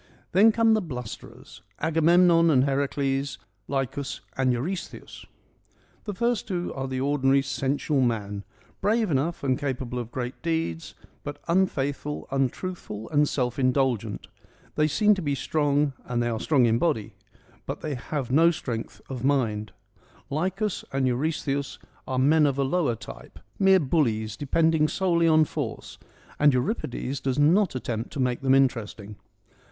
Then come the blusterers : Agamemnon and Heracles, Lycus and Eurystheus. The first two are the ordinary sensual man : brave enough and capable of great deeds, but unfaithful, untruthful and self indulgent : they seem to be strong, and they are strong in body ; but they have 92 FEMINISM IN GREEK LITERATURE no strength of mind. Lycus and Eurystheus are men of a lower type, mere bullies depending solely on force, and Euripides does not attempt to make them interesting.